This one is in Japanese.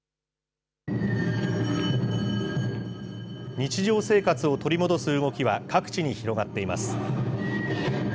日常生活を取り戻す動きは各地に広がっています。